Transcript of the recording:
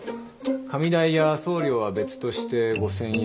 紙代や送料は別として５，０００円。